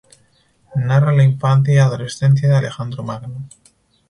Narra la infancia y adolescencia de Alejandro Magno.